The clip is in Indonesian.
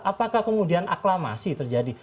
apakah kemudian aklamasi terjadi